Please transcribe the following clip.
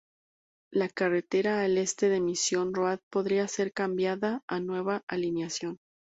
La carretera al este de Mission Road podría ser cambiada a una nueva alineación.